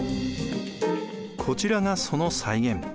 こちらがその再現。